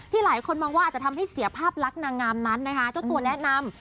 ที่หลายคนมองว่าจะทำให้เสียภาพรักนางงามนั่นจะตัวแนะนำ